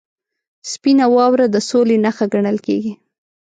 • سپینه واوره د سولې نښه ګڼل کېږي.